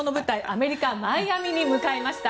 アメリカ・マイアミに向かいました。